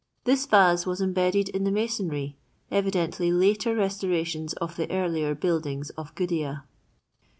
This vase was imbedded in the masonry, evidently later restorations of the earlier buildings of Gudea.